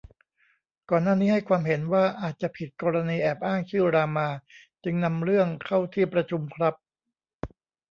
ก่อนหน้านี้ให้ความเห็นว่าอาจจะผิด กรณีแอบอ้างชื่อ รามา จึงนำเรื่องเข้าที่ประชุมครับ